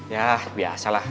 yah biasa lah